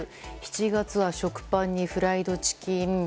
７月は食パンにフライドチキン。